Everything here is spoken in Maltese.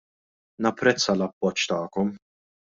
Napprezza l-appoġġ tagħkom.